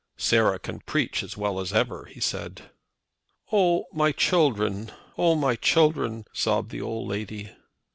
"Sarah can preach as well as ever," he said. "Oh! my children, oh! my children!" sobbed the old lady.